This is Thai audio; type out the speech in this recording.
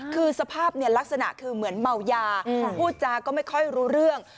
คือสภาพลักษณะคือเหมือนเมายาพูดจาก็ไม่ค่อยรู้เรื่อง